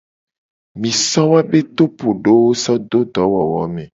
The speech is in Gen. Mi so woabe topodowo so do dowowome.